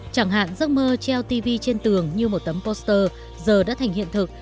chẳng hạn giấc mơ treo tv trên tường như một tấm poster giờ đã thành hiện thực